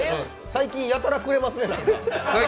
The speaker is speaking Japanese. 最近やたらくれますね。